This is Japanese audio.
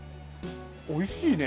おいしいね。